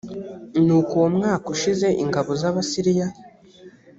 nuko uwo mwaka ushize ingabo z abasiriya